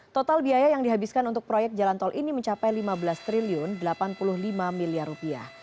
total biaya yang dihabiskan untuk proyek jalan tol ini mencapai lima belas delapan puluh lima miliar rupiah